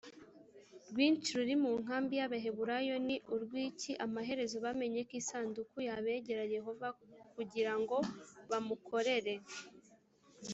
Rwinshi ruri mu nkambi y abaheburayo ni urw iki amaherezo bamenya ko isanduku ya begera yehova kugira ngo bamukorere